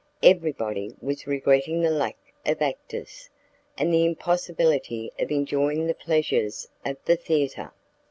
Everybody was regretting the lack of actors, and the impossibility of enjoying the pleasures of the theatre.